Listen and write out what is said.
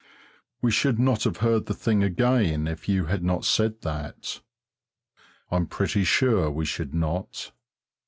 We should not have heard the thing again if you had not said that. I'm pretty sure we should not.